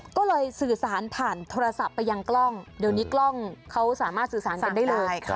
ก็เลยสื่อสารผ่านโทรศัพท์ไปยังกล้องเดี๋ยวนี้กล้องเขาสามารถสื่อสารกันได้เลย